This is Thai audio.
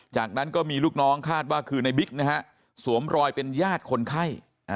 จากนั้นก็มีลูกน้องคาดว่าคือในบิ๊กนะฮะสวมรอยเป็นญาติคนไข้